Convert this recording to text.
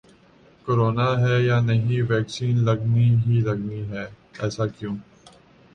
corona ہے یا نہیں ویکسین لگنی ہی لگنی ہے، ایسا کیوں